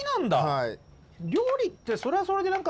はい。